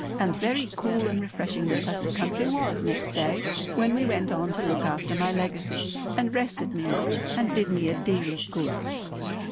And very cool and refreshing the pleasant country was next day when we went on to look after my Legacy, and rested me much and did me a deal of good.